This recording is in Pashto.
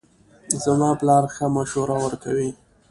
زما پلار ښه مشوره ورکوي